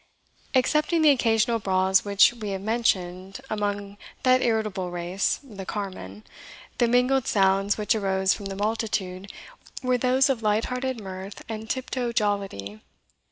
Excepting the occasional brawls which we have mentioned among that irritable race the carmen, the mingled sounds which arose from the multitude were those of light hearted mirth and tiptoe jollity.